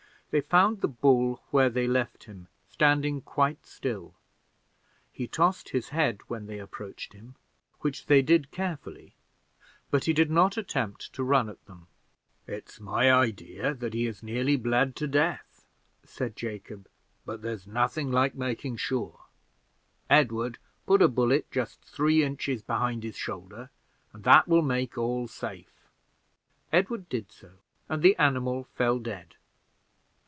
They found the bull where they left him, standing quite still; he tossed his head when they approached him, which they did carefully, but he did not attempt to run at them. "It's my idea that he has nearly bled to death," said Jacob; "but there's nothing like making sure. Edward, put a bullet just three inches behind his shoulder, and that will make all safe." Edward did so, and the animal fell dead.